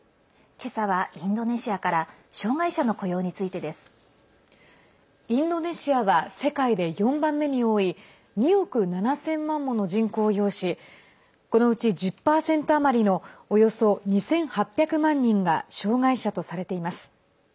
今朝はインドネシアから障害者の雇用についてです。インドネシアは世界で４番目に多い２億７０００万もの人口を擁しこのうち１０％余りのおよそ２８００万人が障害者とされています。